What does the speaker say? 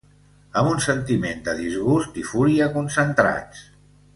Amb un sentiment de disgust i fúria concentrats